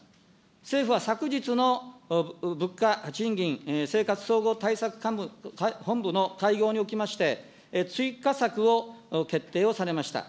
政府は昨日の物価賃金生活総合対策本部の会合におきまして、追加策を決定をされました。